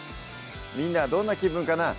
みんなはどんな気分かなぁ